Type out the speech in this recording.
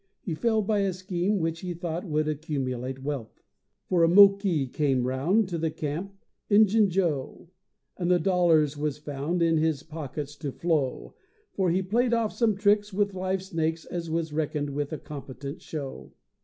He fell by a scheme which he thought would accumulate wealth! For a Moqui came round To the camp—Injun Joe; And the dollars was found In his pockets to flow; For he played off some tricks with live snakes, as was reckoned a competent show.